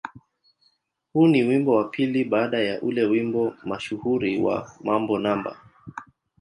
Huu ni wimbo wa pili baada ya ule wimbo mashuhuri wa "Mambo No.